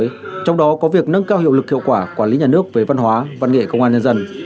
trong đó có việc nâng cao hiệu lực hiệu quả quản lý nhà nước về văn hóa văn nghệ công an nhân dân